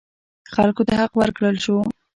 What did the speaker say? خلکو ته حق ورکړل شو.